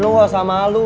lo gak usah malu